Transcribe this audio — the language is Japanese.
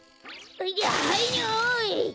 はいよい！